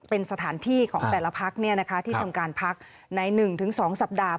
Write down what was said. เป็นสถานที่ของแต่ละพักที่ทำการพักใน๑๒สัปดาห์